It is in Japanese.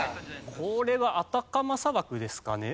これはアタカマ砂漠ですかね？